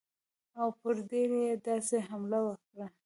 او پر دیر یې داسې حمله وکړه.